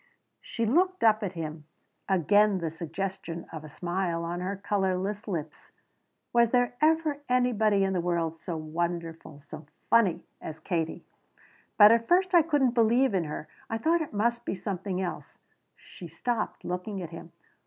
She looked up at him, again the suggestion of a smile on her colorless lips. "Was there ever anybody in the world so wonderful so funny as Katie? "But at first I couldn't believe in her. I thought it must be just something else." She stopped, looking at him.